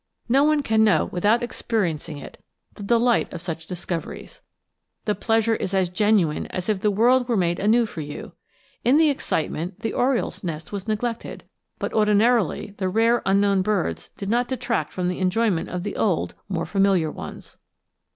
No one can know, without experiencing it, the delight of such discoveries. The pleasure is as genuine as if the world were made anew for you. In the excitement the oriole's nest was neglected; but ordinarily the rare unknown birds did not detract from the enjoyment of the old, more familiar ones.